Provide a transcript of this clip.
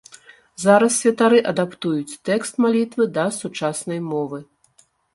Зараз святары адаптуюць тэкст малітвы да сучаснай мовы.